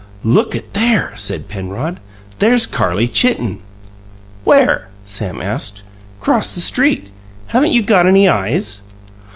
"Look at there!" said Penrod. "There's Carlie Chitten!" "Where?" Sam asked. "'Cross the street. Haven't you got any eyes?"